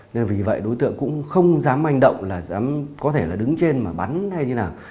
nên vì vậy đối tượng cũng không dám manh động là dám có thể là đứng trên mà bắn hay như nào